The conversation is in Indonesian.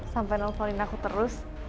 sampai nelfonin aku terus